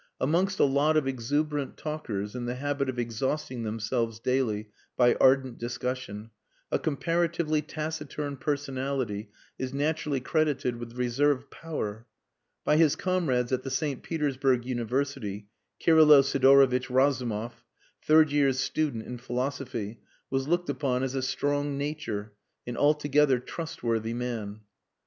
Amongst a lot of exuberant talkers, in the habit of exhausting themselves daily by ardent discussion, a comparatively taciturn personality is naturally credited with reserve power. By his comrades at the St. Petersburg University, Kirylo Sidorovitch Razumov, third year's student in philosophy, was looked upon as a strong nature an altogether trustworthy man.